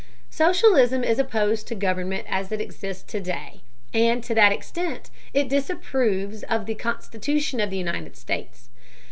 Socialism is opposed to government as it exists to day, and to that extent, it disapproves of the Constitution of the United States.